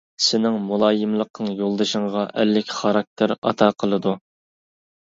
سېنىڭ مۇلايىملىقىڭ يولدىشىڭغا ئەرلىك خاراكتېر ئاتا قىلىدۇ.